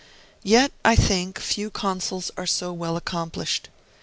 Yet, I think, few consuls are so well accomplished.